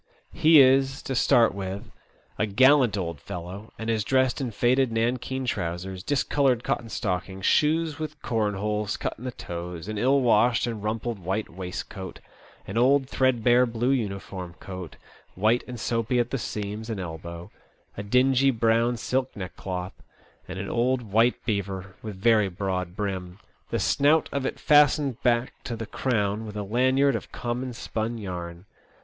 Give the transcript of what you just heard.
He is, to start with, a gallant old fellow, and is dressed in faded nankeen trousers, discoloured cotton stockings, shoes with corn holes cut in the toes, an ill washed and rumpled white waistcoat, an old threadbare blue uniform coat, white and soapy at the seams and elbow, a dingy brown silk neckcloth, and an old white beaver with very broad brim, the snout of it fastened back to the crown with a lanyard of common spun yarn.